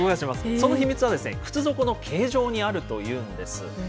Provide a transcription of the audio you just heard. その秘密は靴底の形状にあるというんです。